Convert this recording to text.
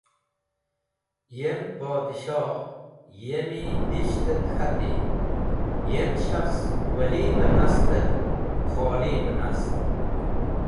Yem Podhshoh yem e disht k̃het k̃hati. Yem shakhs Wali be nast et kholi be nast.